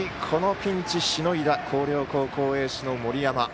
このピンチしのいだ広陵高校エースの森山。